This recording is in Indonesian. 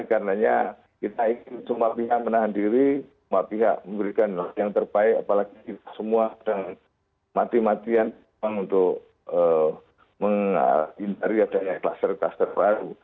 karena kita ingin semua pihak menahan diri semua pihak memberikan yang terbaik apalagi kita semua dan mati matian untuk menghindari ada yang klaster klaster baru